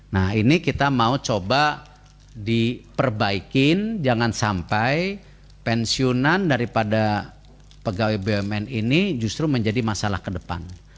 nah ini kita mau coba diperbaikin jangan sampai pensiunan daripada pegawai bumn ini justru menjadi masalah ke depan